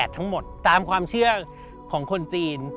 ทั้งหมดตามความเชื่อของคนจีน